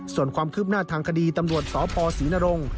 ส่วนความคืบหน้าทางคดีตำรวจสพศรีนรงค์